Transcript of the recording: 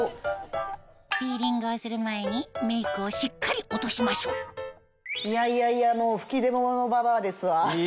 ピーリングをする前にメイクをしっかり落としましょういやいやいやもう吹き出物ババアですわ。